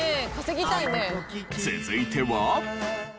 続いては。